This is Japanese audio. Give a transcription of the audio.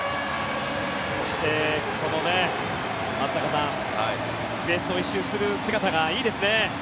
そして、松坂さんベースを１周する姿がいいですね。